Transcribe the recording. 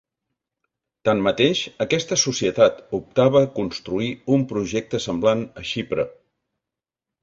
Tanmateix, aquesta societat optava a construir un projecte semblant a Xipre.